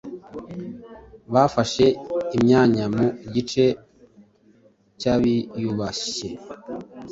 bafashe imyanya mu gice cy’abiyubashye,